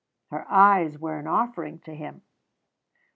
Her eyes were an offering to him.